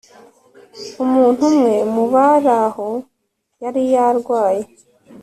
umuntu umwe mu bari aho yari yarwaye